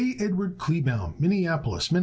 EDWARD KLEEBAUM, Minneapolis, Minn.